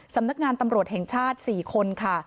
สำนักงานตำรวจแห่งชาติ๔คนค่ะ